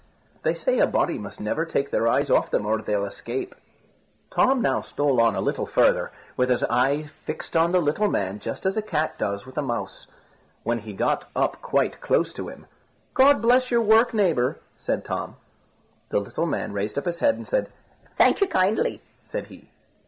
They say a body must never take their eyes off them, or they'll escape." Tom now stole on a little further, with his eye fixed on the little man just as a cat does with a mouse. So when he got up quite close to him, "God bless your work, neighbour," said Tom. The little man raised up his head, and "Thank you kindly," said he.